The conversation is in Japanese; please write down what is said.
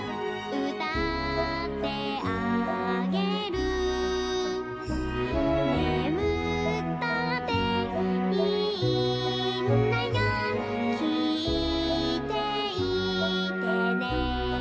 「うたってあげる」「ねむったっていいんだよきいていてね、、、」